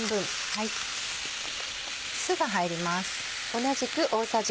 酢が入ります。